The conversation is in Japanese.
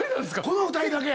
この２人だけ。